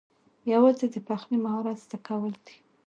یوازې د پخلي مهارت زده کول دي